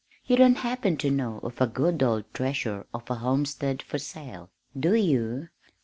You don't happen to know of a good old treasure of a homestead for sale, do you?"